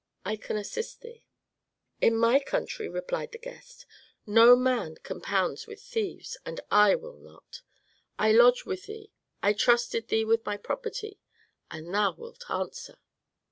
I can assist thee." "In my country," replied the guest, "no man compounds with thieves, and I will not. I lodge with thee, I trusted thee with my property, and thou wilt answer."